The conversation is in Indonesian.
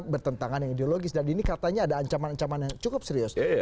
bertentangan ideologis dan ini katanya ada ancaman ancaman yang cukup serius seberapa ini bisa mengganggu